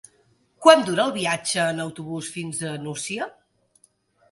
Quant dura el viatge en autobús fins a la Nucia?